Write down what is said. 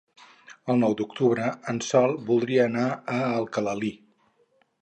El nou d'octubre en Sol voldria anar a Alcalalí.